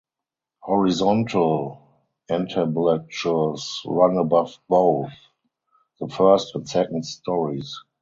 Horizontal entablatures run above both the first and second stories.